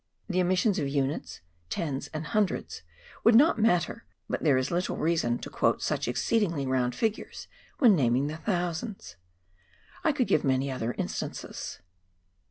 The omission of units, tens and hundreds would not matter, but there is little reason to quote such exceedingly round figures when naming the thousands. I could give many other instances.